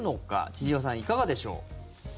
千々岩さん、いかがでしょう。